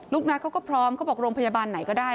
นัทเขาก็พร้อมเขาบอกโรงพยาบาลไหนก็ได้